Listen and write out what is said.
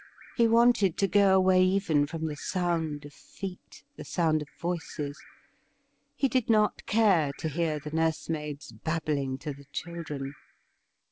He wanted to go away even from the sound of feet, the sound of voices. He did not care to hear the nursemaids bab bling to the children.